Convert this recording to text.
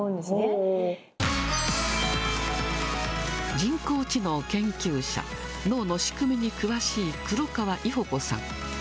人工知能研究者、脳の仕組みに詳しい黒川伊保子さん。